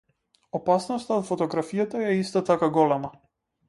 Опасноста од фотографијата е исто така голема.